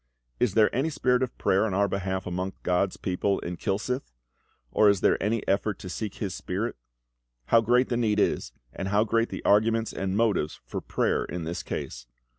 Is there any spirit of prayer on our behalf among GOD's people in Kilsyth? or is there any effort to seek this spirit? How great the need is, and how great the arguments and motives for prayer in this case.